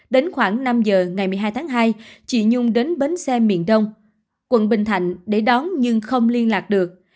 đến khoảng năm giờ ngày một mươi hai tháng hai chị nhung đến bến xe miền đông quận bình thạnh để đón nhưng không liên lạc được